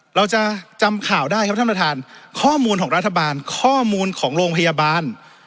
เราจะจำข่าวได้ครับท่านประธานข้อมูลของรัฐบาลข้อมูลของโรงพยาบาล